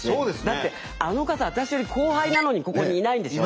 だってあの方私より後輩なのにここにいないんでしょ？